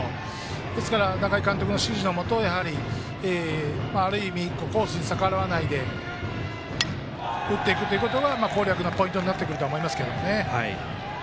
ですから中井監督の指示のもとある意味、コースに逆らわないで打っていくということが攻略のポイントになってくると思いますけどね。